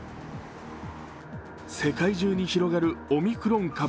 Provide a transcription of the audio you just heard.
世界中に広がるオミクロン株。